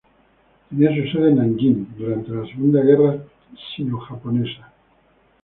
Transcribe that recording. Tenía su sede en Nanjing durante la Segunda Guerra Sino-Japonesa.